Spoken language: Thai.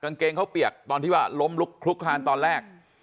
เกงเขาเปียกตอนที่ว่าล้มลุกคลุกคลานตอนแรก